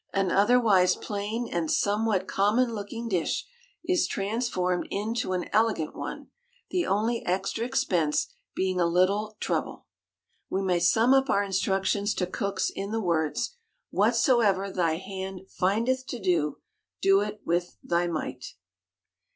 An otherwise plain and somewhat common looking dish is transformed into an elegant one, the only extra expense being a little trouble. We may sum up our instructions to cooks in the words: "Whatsoever thy hand findeth to do, do it with thy might."